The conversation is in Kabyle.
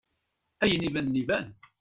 Ayen ibanen iban.